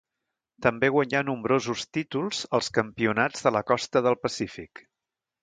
També guanyà nombrosos títols als Campionats de la Costa del Pacífic.